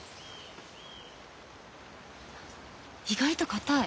意外と硬い。